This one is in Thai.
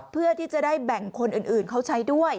เพื่อที่จะได้แบ่งคนอื่นเขาใช้ด้วย